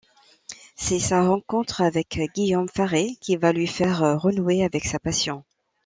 C'est sa rencontre avec Guillaume Farré qui va lui faire renouer avec sa passion.